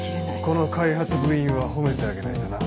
この開発部員は褒めてあげないとな。